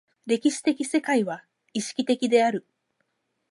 歴史的世界は意識的である。